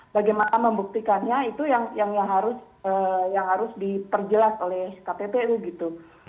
bagaimana membuktikannya itu yang harus diperjelas oleh kppu gitu